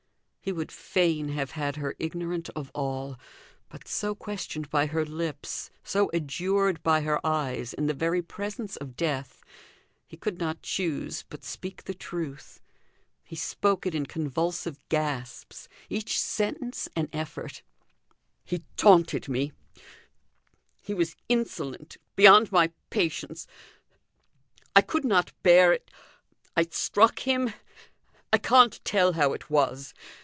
He would fain have had her ignorant of all, but so questioned by her lips, so adjured by her eyes in the very presence of death, he could not choose but speak the truth; he spoke it in convulsive gasps, each sentence an effort: "He taunted me he was insolent, beyond my patience I could not bear it. I struck him I can't tell how it was.